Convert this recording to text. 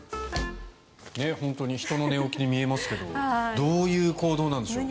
本当に人の寝起きに見えますけどどういう行動なんでしょう。